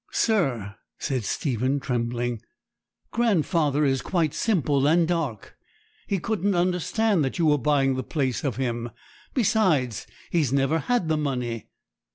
'Sir,' said Stephen, trembling, 'grandfather is quite simple and dark. He couldn't understand that you were buying the place of him. Besides, he's never had the money?'